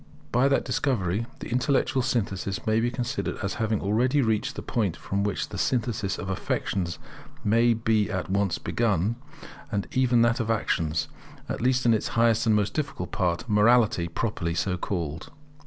By that discovery the intellectual synthesis may be considered as having already reached the point from which the synthesis of affections may be at once begun; and even that of actions, at least in its highest and most difficult part, morality properly so called.